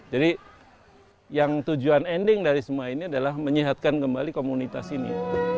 jadi yang tujuan ending dari semua ini adalah menyehatkan kembali komunitas ini